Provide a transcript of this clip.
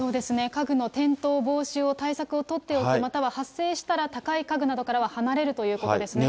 家具の転倒防止の対策を取っておく、または発生したら高い家具などから離れるということですね。